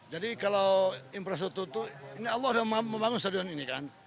jadi kalau infrastruktur itu ini allah sudah membangun stadion ini kan